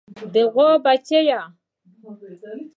د غوا بچۍ